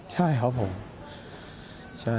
ใช่ครับผม